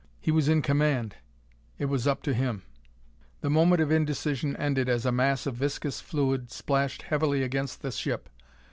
He was in command; it was up to him The moment of indecision ended as a mass of viscous fluid splashed heavily against the ship.